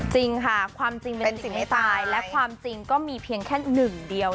จริงค่ะความจริงเป็นสิ่งที่ตายและความจริงก็มีเพียงแค่หนึ่งเดียว